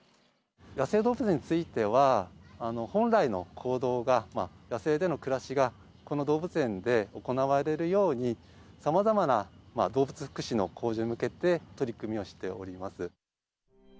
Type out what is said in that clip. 野生動物については、本来の行動が、野生での暮らしがこの動物園で行われるように、さまざまな動物福祉の向上に向けて、取り組みをしております。